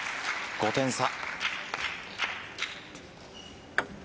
５点差。